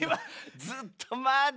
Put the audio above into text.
ずっと「ま」で。